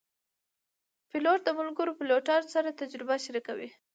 پیلوټ د ملګرو پیلوټانو سره تجربه شریکوي.